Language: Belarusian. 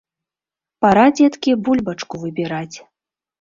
Пара, дзеткі, бульбачку выбіраць.